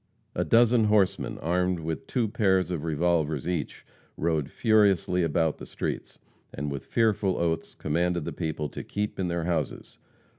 A dozen horsemen, armed with two pairs of revolvers each, rode furiously about the streets, and with fearful oaths commanded the people to keep in their houses.